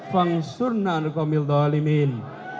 fangsurna ala'lkomil dalimin